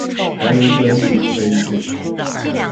台卢关系，可以指：